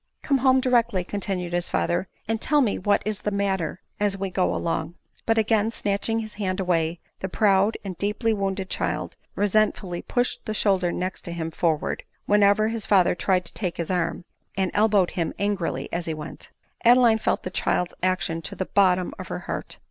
" Come home directly," continued his father, " and tell me what is the matter, as we go along." But again snatching his hand away, the proud and deeply wounded child resentfully pushed the shoulder next turn forward, whenever his father tried to take his arm, and elbowed him angrily as he went. Adeline felt the child's action to the bottom of her heart.